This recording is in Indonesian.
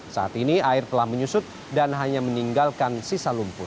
saat ini air telah menyusut dan hanya meninggalkan sisa lumpur